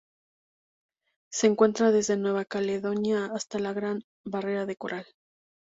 Se encuentra desde Nueva Caledonia hasta la Gran Barrera de Coral.